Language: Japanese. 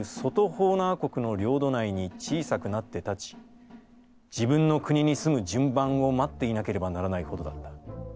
ホーナー国の領土内に小さくなって立ち、自分の国に住む順番を待っていなければならないほどだった。